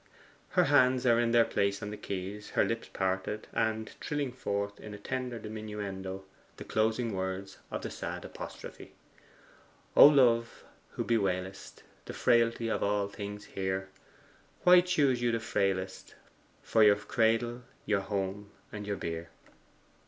Her hands are in their place on the keys, her lips parted, and trilling forth, in a tender diminuendo, the closing words of the sad apostrophe: 'O Love, who bewailest The frailty of all things here, Why choose you the frailest For your cradle, your home, and your bier!